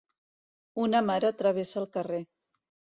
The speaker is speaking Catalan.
Una mare travessa el carrer.